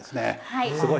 はい。